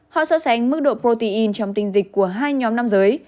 họ sơ sánh mức độ protein trong tinh dịch của hai nhóm năm rơi